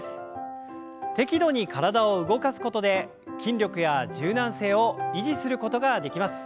適度に体を動かすことで筋力や柔軟性を維持することができます。